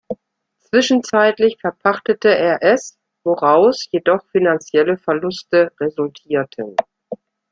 Zwischenzeitlich verpachtete er es, woraus jedoch finanzielle Verluste resultierten.